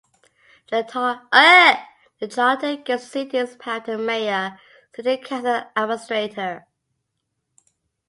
The charter gives the city's power to a Mayor, City Council and Administrator.